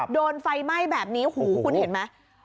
โดนไฟไหม้แบบนี้หูคุณเห็นไหม